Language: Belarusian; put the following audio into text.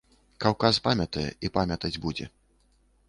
Каўказ памятае і памятаць будзе.